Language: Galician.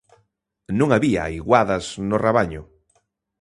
Non había iguadas no rabaño.